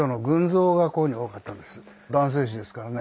男性誌ですからね。